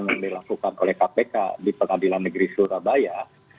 yang dilakukan oleh kpk di pengadilan negeri surabaya